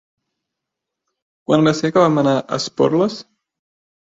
Quan va ser que vam anar a Esporles?